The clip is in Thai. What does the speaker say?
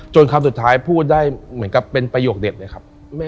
คำสุดท้ายพูดได้เหมือนกับเป็นประโยคเด็ดเลยครับ